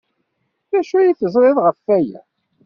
D acu ay teẓriḍ ɣef waya?